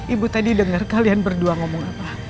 ibu tadi dengar kalian berdua ngomong apa